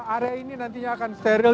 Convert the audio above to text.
area ini nantinya akan steril